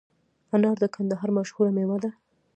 انار د کندهار مشهوره مېوه ده